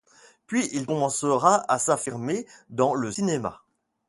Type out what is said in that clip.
Puis il commencera à s'affirmer dans le cinéma.